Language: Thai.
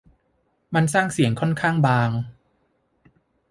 มันสร้างเสียงค่อนข้างบาง